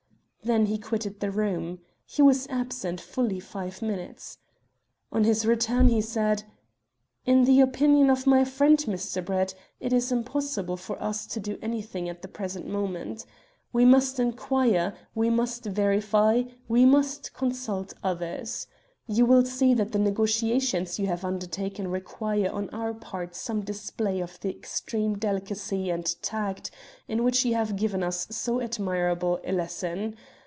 Then he quitted the room. He was absent fully five minutes. On his return he said "In the opinion of my friend, Mr. Brett, it is impossible for us to do anything at the present moment. We must inquire; we must verify; we must consult others. You will see that the negotiations you have undertaken require on our part some display of the extreme delicacy and tact in which you have given us so admirable a lesson.